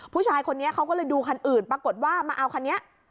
ผู้ชายคนนี้เขาก็เลยดูคันอื่นปรากฏว่ามาเอาคันนี้